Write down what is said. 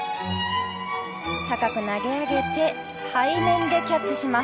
高く投げ上げて、背面でキャッチします。